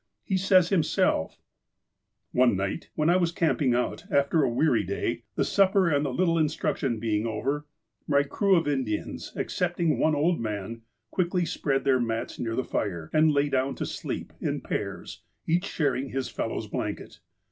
He says him self: " One night, when I was camping out, after a weary day, the supper and the little instruction being over, my crew of In dians, excepting one old man, quickly spread their mats near the fire, and lay down to sleep, in pairs, each sharing his fel low's blanket.